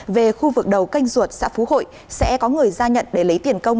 về khu vực đầu canh ruột xã phú hội sẽ có người ra nhận để lấy tiền công